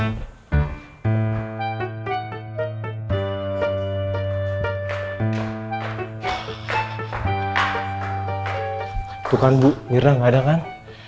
itu kan bu mirna gak ada kan